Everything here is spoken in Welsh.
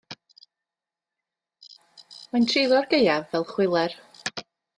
Mae'n treulio'r gaeaf fel chwiler.